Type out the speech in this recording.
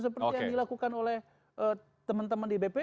seperti yang dilakukan oleh teman teman di bp